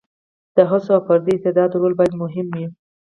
د هڅو او فردي استعداد رول باید مهم وي.